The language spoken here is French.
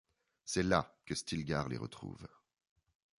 C’est là que Stilgar les retrouve.